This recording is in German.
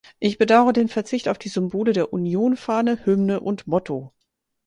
Ich bedaure den Verzicht auf die Symbole der Union Fahne, Hymne und Motto.